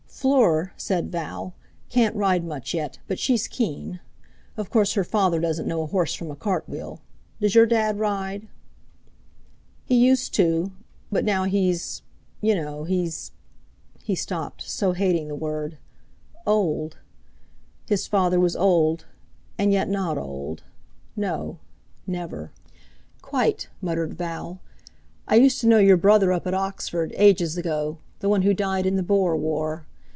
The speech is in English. "Fleur," said Val, "can't ride much yet, but she's keen. Of course, her father doesn't know a horse from a cart wheel. Does your Dad ride?" "He used to; but now he's—you know, he's—" He stopped, so hating the word "old." His father was old, and yet not old; no—never! "Quite," muttered Val. "I used to know your brother up at Oxford, ages ago, the one who died in the Boer War.